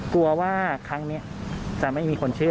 กลัวว่าครั้งนี้จะไม่มีคนเชื่อ